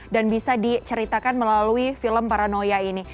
dan bisa diceritakan melalui film paranoia ini